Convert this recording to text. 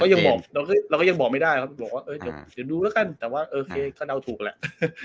ยังบอกเราก็ยังบอกไม่ได้ครับบอกว่าเดี๋ยวดูแล้วกันแต่ว่าโอเคก็เดาถูกแหละ